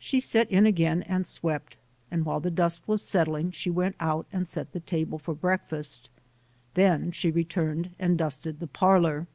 She set in again and swept, and while the dust was settling, she went out and set the table for breakfast. Then she returned and dusted the parlor.